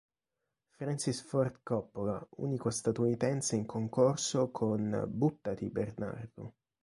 Francis Ford Coppola, unico statunitense in concorso con "Buttati Bernardo!